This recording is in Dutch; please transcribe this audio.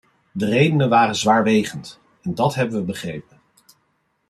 De redenen waren zwaarwegend, en dat hebben we begrepen.